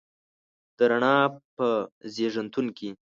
د رڼا په زیږنتون کې